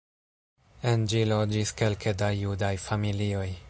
En ĝi loĝis kelke da judaj familioj.